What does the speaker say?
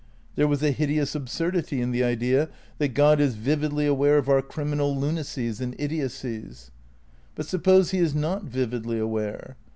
There was a hideous absurdity in the idea that God is vividly aware of our criminal XI RECONSTEUCTION OF IDEALISM 309 lunacies and idiocies. But suppose he is not vividly aware'?